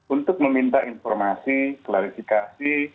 untuk meminta informasi klarifikasi